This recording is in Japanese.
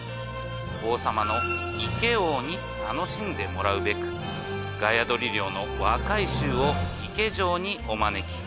王様のイケ王に愉しんでもらうべくガヤドリ寮の若い衆をイケ城にお招き。